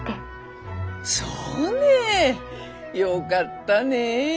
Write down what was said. そうねよかったねえ。